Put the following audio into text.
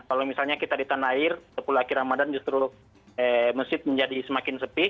kalau misalnya kita di tanah air sepuluh akhir ramadan justru masjid menjadi semakin sepi